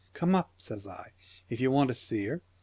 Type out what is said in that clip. "Come up," says I, " if ye want to see her.